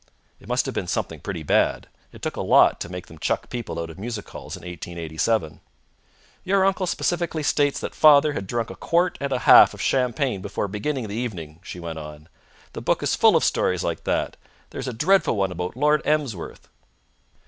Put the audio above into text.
It must have been something pretty bad. It took a lot to make them chuck people out of music halls in 1887. "Your uncle specifically states that father had drunk a quart and a half of champagne before beginning the evening," she went on. "The book is full of stories like that. There is a dreadful one about Lord Emsworth."